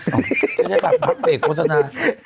จะได้แบบปรับเปลี่ยนโฆษณา